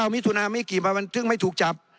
๙มิถุนาไม่กี่ปันมันเพิ่งไม่ถูกจับ